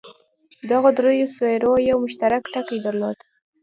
دغو دریو څېرو یو مشترک ټکی درلود.